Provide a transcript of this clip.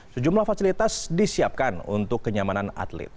sejumlah fasilitas disiapkan untuk kenyamanan atlet